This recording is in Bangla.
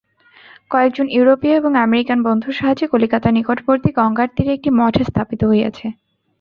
কয়েকজন ইউরোপীয় এবং আমেরিকান বন্ধুর সাহায্যে কলিকাতার নিকটবর্তী গঙ্গার তীরে একটি মঠ স্থাপিত হইয়াছে।